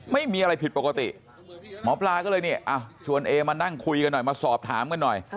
ไม่มีอะไรผิดปกติหมอปลาก็เลยเนี่ยชวนเอมานั่งคุยกันหน่อยมาสอบถามกันหน่อย